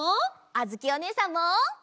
あづきおねえさんも！